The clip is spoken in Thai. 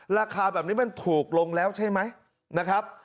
ราคาแบบนี้มันถูกลงแล้วใช่ไหม